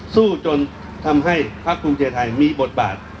สู้จนทำให้พักภูมิใจไทยมีบทบาท